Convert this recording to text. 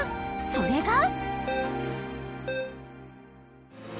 ［それが］